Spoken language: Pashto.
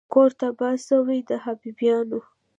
کور تباه سوی د حبیبیانو